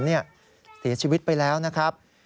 เสียชีวิตไปแล้วนะครับ